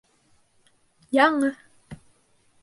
Яңы